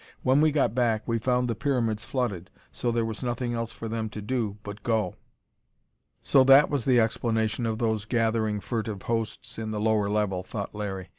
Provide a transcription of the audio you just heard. "When we got back, we found the pyramids flooded, so there was nothing else for them to do but go." So that was the explanation of those gathering, furtive hosts in the lower level, thought Larry.